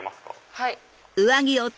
はい。